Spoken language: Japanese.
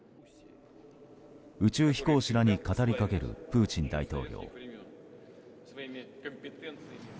宇宙飛行士らに語りかけるプーチン大統領。